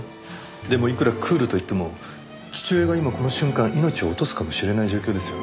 でもいくらクールといっても父親が今この瞬間命を落とすかもしれない状況ですよ。